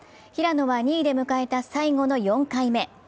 平野は２位で迎えた最後の４回目。